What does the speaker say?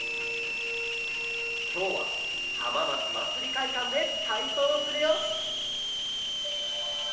きょうははままつまつりかいかんでたいそうをするよ！